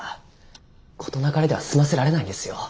事なかれでは済ませられないんですよ。